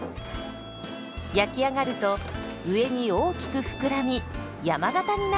焼き上がると上に大きく膨らみ山型になるんです。